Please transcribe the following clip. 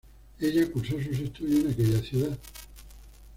Ella cursó sus estudios en aquella ciudad.